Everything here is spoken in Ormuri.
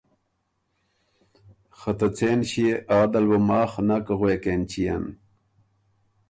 خه ته څېن ݭيې آ دل بُو ماخ نک غوېک اېنچيېن۔